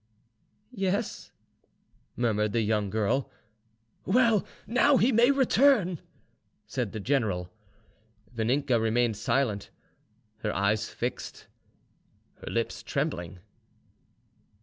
"Yes," murmured the young girl. "Well, now he may return," said the general. Vaninka remained silent, her eyes fixed, her lips trembling.